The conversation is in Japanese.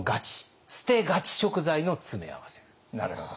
なるほど。